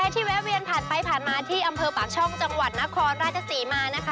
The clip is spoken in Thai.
แวะเวียนผ่านไปผ่านมาที่อำเภอปากช่องจังหวัดนครราชศรีมานะคะ